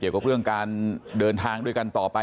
เกี่ยวกับเรื่องการเดินทางด้วยกันต่อไป